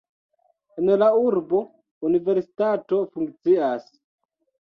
En la urbo universitato funkcias.